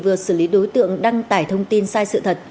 vừa xử lý đối tượng đăng tải thông tin sai sự thật